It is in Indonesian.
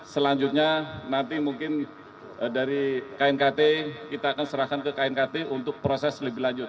selanjutnya nanti mungkin dari knkt kita akan serahkan ke knkt untuk proses lebih lanjut